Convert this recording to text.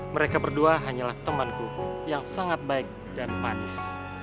mereka berdua hanyalah temanku yang sangat baik dan manis